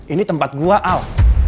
ini tempat gue al